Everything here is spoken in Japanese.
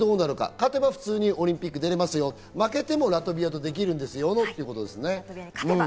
勝てば普通にオリンピックに出られますよ、負けてもラトビアとできますよということですね。